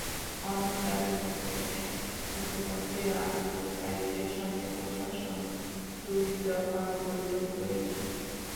অন্য দাবিগুলো নিয়ে ইতিমধ্যে আন্দোলনকারীদের সঙ্গে প্রশাসন দুই দফা বৈঠক করেছে।